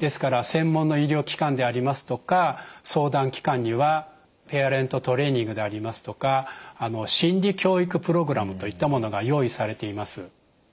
ですから専門の医療機関でありますとか相談機関にはペアレントトレーニングでありますとか心理教育プログラムといったものが用意されています。